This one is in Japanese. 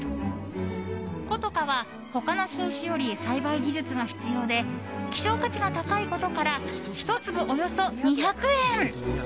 古都華は他の品種より栽培技術が必要で希少価値が高いことから１粒およそ２００円。